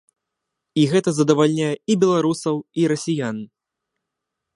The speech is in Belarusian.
І гэта задавальняе і беларусаў, і расіян.